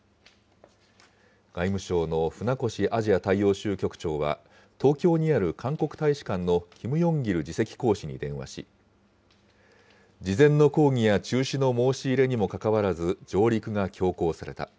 外務省の船越アジア大洋州局長は、東京にある韓国大使館のキム・ヨンギル次席公使に電話し、事前の抗議や中止の申し入れにもかかわらず上陸が強行された。